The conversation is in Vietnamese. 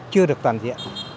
chưa được toàn diện